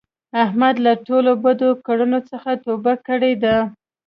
احمد له ټولو بدو کړونو څخه توبه کړې ده.